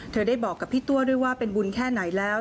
ได้บอกกับพี่ตัวด้วยว่าเป็นบุญแค่ไหนแล้ว